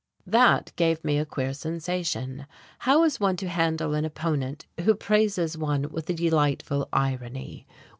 That gave me a queer sensation. How is one to handle an opponent who praises one with a delightful irony?